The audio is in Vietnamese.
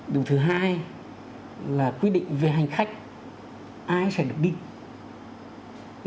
điều thứ hai là quy định về hành khách ai sẽ được đi